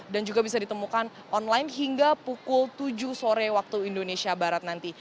dan juga bisa ditemukan online hingga pukul tujuh sore waktu indonesia barat nanti